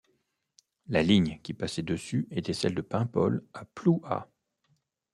La ligne qui passait dessus était celle de Paimpol à Plouha.